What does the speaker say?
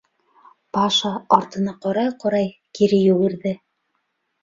Паша, артына ҡарай-ҡарай, кире йүгерҙе.